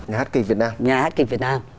nhà hát kịch việt nam